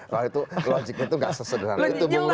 kalau itu logiknya tuh gak sesederhana